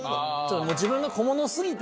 自分が小物過ぎて。